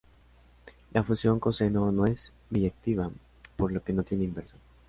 La función coseno no es biyectiva, por lo que no tiene inversa.